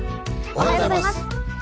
おはようございます。